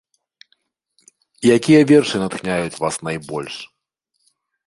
Якія вершы натхняюць вас найбольш?